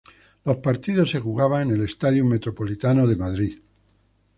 Los partidos se jugaba en el Stadium Metropolitano de Madrid.